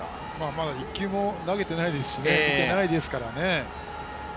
まだ１球も投げてないですし見てないですからね。